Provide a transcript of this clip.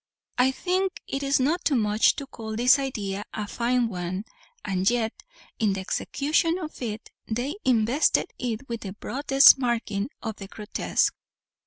I think it is not too much to call this idea a fine one; and yet, in the execution of it, they invested it with the broadest marking of the grotesque.